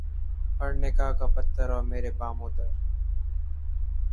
ہر نگاہ کا پتھر اور میرے بام و در